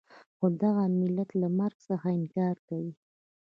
خو دغه ملت له مرګ څخه انکار کوي.